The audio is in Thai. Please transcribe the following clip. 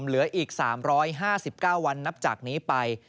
เหลืออีก๓๕๙วันนับจากนี้ไป